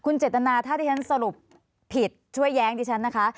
เจตนาถ้าที่ฉันสรุปผิดช่วยแย้งดิฉันนะคะ